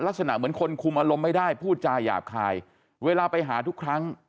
ลักษณะเหมือนคนคุมอารมณ์ไม่ได้พูดจาหยาบคายเวลาไปหาทุกครั้ง